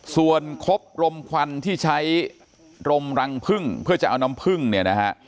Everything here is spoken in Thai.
ส่วนครบรมควันที่ใช้รมรังพึ่งเพื่อจะเอาน้ำพึ่งเนี่ยนะฮะ